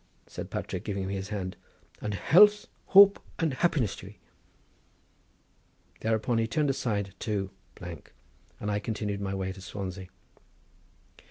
said Patrick, giving me his hand; "and health, hope and happiness to ye." Thereupon he turned aside to —, and I continued my way to Swansea.